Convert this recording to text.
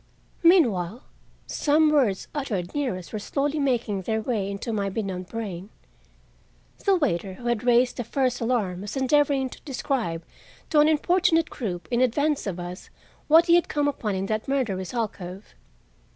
Meanwhile, some words uttered near us were slowly making their way into my benumbed brain. The waiter who had raised the first alarm was endeavoring to describe to an importunate group in advance of us what he had come upon in that murderous alcove.